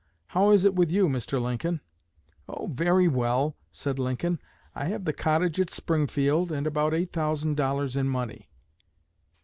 How is it with you, Mr. Lincoln?' 'Oh, very well,' said Lincoln. 'I have the cottage at Springfield, and about eight thousand dollars in money.